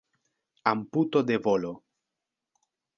Amputo de volo.